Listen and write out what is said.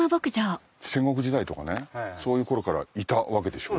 戦国時代とかそういう頃からいたわけでしょ？